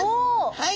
はい！